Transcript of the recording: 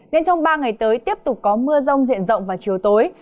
nên trong ba ngày tới tiếp tục có mưa rông diện rộng vào chiều tối